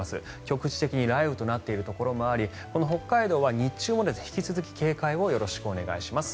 局地的に雷雨となっているところもありこの北海道は日中も引き続き警戒をよろしくお願いします。